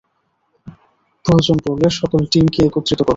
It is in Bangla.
প্রয়োজন পড়লে সকল টিমকে একত্রিত করো।